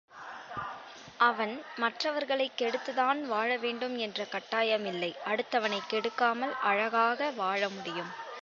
அவன் மற்றவர்களைக் கெடுத்துத் தான் வாழ வேண்டும் என்ற கட்டாயம் இல்லை அடுத்தவனைக் கெடுக்காமல் அழகாக வாழ முடியும்.